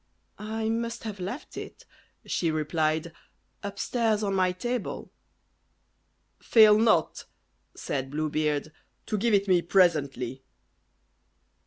"I must have left it," she replied, "upstairs on my table." "Fail not," said Blue Beard, "to give it me presently."